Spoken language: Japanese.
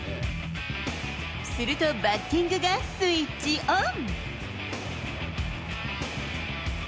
するとバッティングがスイッチオン。